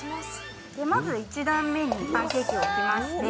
まず１段目にパンケーキを置きまして。